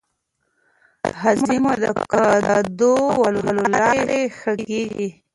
هاضمه د قدم وهلو له لارې ښه کېږي.